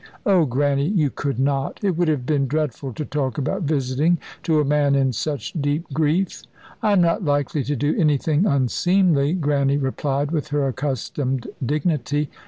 "Oh, Grannie, you could not! It would have been dreadful to talk about visiting to a man in such deep grief." "I am not likely to do anything unseemly," Grannie replied with her accustomed dignity.